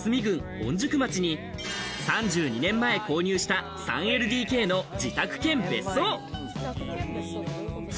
御宿町に３２年前購入した３ＬＤＫの自宅兼別荘。